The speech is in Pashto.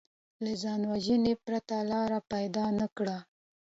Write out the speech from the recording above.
له ځانوژنې پرته لاره پیدا نه کړي